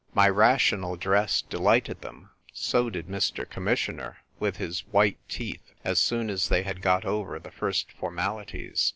My rational dress delighted them: so did Mr. Commissioner, with his white teeth, as soon as they had got over the first formalities.